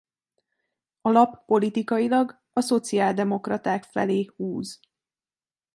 A lap politikailag a szociáldemokraták felé húz.